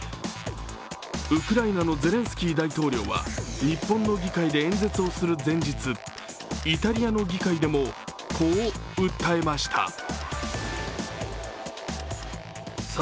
ウクライナのゼレンスキー大統領は日本の議会で演説をする前日、イタリアの議会でもこう訴えました。